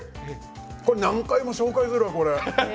これ、何回も紹介するわ、これ。